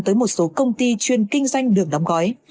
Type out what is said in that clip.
tới một số công ty chuyên kinh doanh đường đóng gói